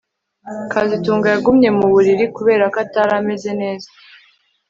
kazitunga yagumye mu buriri kubera ko atari ameze neza